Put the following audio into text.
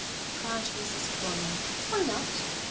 cried Mrs. Crowley. 'Why not?'